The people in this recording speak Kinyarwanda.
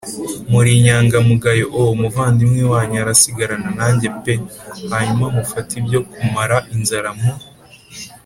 muri inyangamugayo o umuvandimwe wanyu umwe arasigarana nanjye p Hanyuma mufate ibyo kumara inzara mu